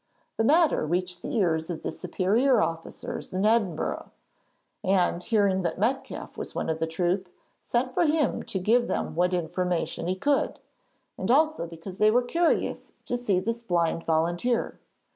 The matter reached the ears of the superior officers in Edinburgh, and, hearing that Metcalfe was one of the troop, sent for him to give them what information he could, and also because they were curious to see this blind volunteer.